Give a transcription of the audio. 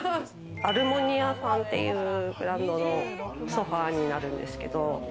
アルモニアさんっていうブランドのソファになるんですけど。